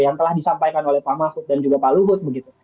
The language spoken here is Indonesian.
yang telah disampaikan oleh pak mahfud dan juga pak luhut